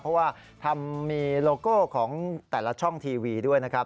เพราะว่าทำมีโลโก้ของแต่ละช่องทีวีด้วยนะครับ